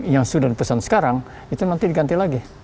yang sudah dipesan sekarang itu nanti diganti lagi